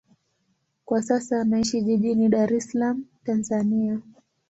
Kwa sasa anaishi jijini Dar es Salaam, Tanzania.